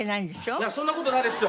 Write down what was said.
いやそんな事ないですよ。